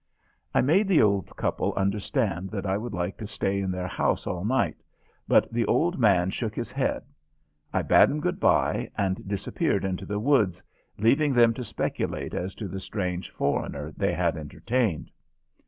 I made the old couple understand that I would like to stay in their house all night, but the old man shook his head. I bade them good by and disappeared into the woods, leaving them to speculate as to the strange foreigner they had entertained.